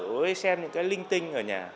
với xem những cái linh tinh ở nhà